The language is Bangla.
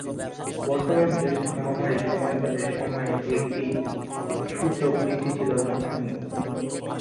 বর্তমান এইডস মহামারী সময়কালের সময়ে একটি সূচক বৃদ্ধি ছিল লক্ষনীয়।